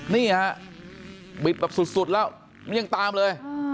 นี่ฮะบิดแบบสุดแล้วมันยังตามเลย